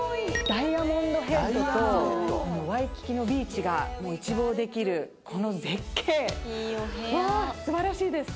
ダイヤモンドヘッドとワイキキのビーチが一望できるこの絶景わー素晴らしいです